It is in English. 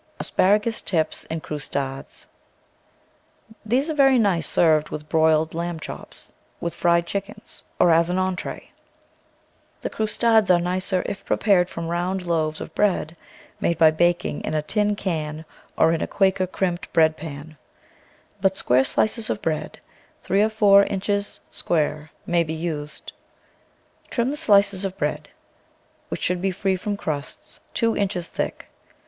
ASPARAGUS TIPS IN CROUSTADES These are nice served with broiled lamb chops, with fried chickens, or as an entree. The crou stades are nicer if prepared from round loaves of bread, made by baking in a tin can or in a Quaker crimped bread pan, but square slices of bread, three or four inches square, may be used. Trim the slices of bread, which should be free from crusts, two inches thick.